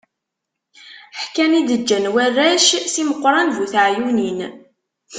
Ḥkan i d-ǧǧan warrac, Si Meqran bu teɛyunin.